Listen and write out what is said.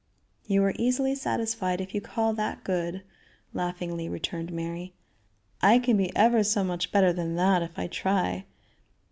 "You are easily satisfied if you call that good," laughingly returned Mary. "I can be ever so much better than that if I try."